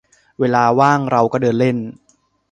เวลาว่างเราก็เดินเล่น